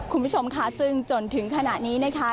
คุณผู้ชมค่ะซึ่งจนถึงขณะนี้นะคะ